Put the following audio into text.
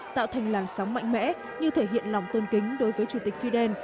tạo thành làn sóng mạnh mẽ như thể hiện lòng tôn kính đối với chủ tịch fidel